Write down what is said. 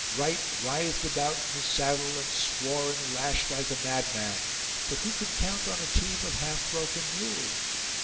Wright writhed about in his saddle, and swore and lashed like a madman; but who can count on a team of half broken mules?